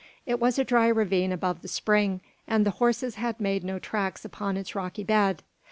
It was a dry ravine above the spring, and the horses had made no tracks upon its rocky bed.